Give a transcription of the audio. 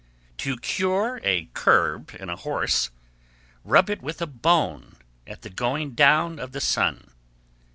_ 1155. To cure a curb in a horse, rub it with a bone, at the going down of the sun.